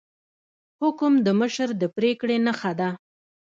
حکم د مشر د پریکړې نښه ده